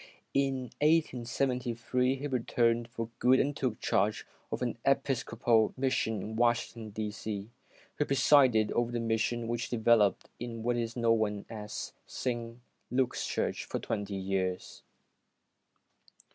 In 1873 he returned for good and took charge of an Epis copal Mission in Washington, D. C. He presided over this Mission, which developed into what is now St. Luke's Church, for twenty two years.